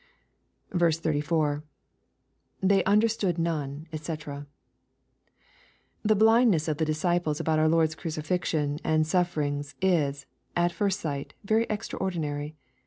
84. — [They understood none, djc] The blindness of the disciples about our Lord's orucifixion and sufFt^rings is, at first sight, very extraordinary.